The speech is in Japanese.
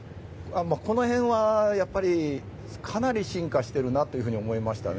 この辺はやっぱり、かなり進化していると思いましたね。